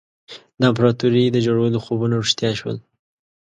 د امپراطوري د جوړولو خوبونه رښتیا شول.